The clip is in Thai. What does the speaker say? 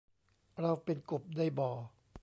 เราเป็นกบในบ่อ